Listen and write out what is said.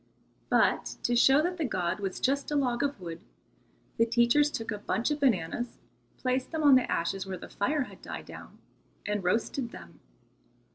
But to show that the god was just a log of wood, the teachers took a bunch of bananas, placed them on the ashes where the fire had died down, and roasted them.